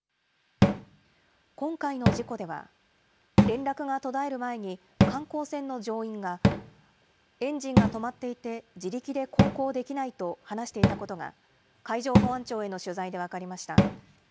今回の事故では、連絡が途絶える前に観光船の乗員が、エンジンが止まっていて自力で航行できないと話していたことが、海上保安庁への取材で分かりました。